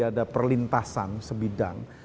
ada perlintasan sebidang